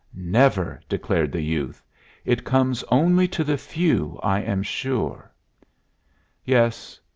"Never!" declared the youth. "It comes only to the few, I am sure." "Yes.